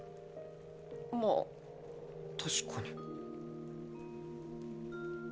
まあ確かに。